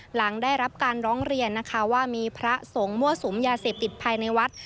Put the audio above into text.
หลังได้รับการร้องเรียนนะคะว่ามีพระสงฆ์มั่วสุมยาเสพติดภายในวัด